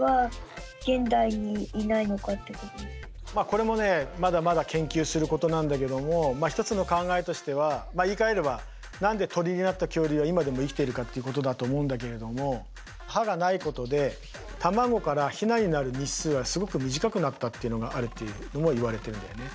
これもねまだまだ研究することなんだけども一つの考えとしては言いかえれば何で鳥になった恐竜は今でも生きてるかっていうことだと思うんだけれども歯がないことで卵からヒナになる日数はすごく短くなったっていうのがあるっていうのもいわれてるんだよね。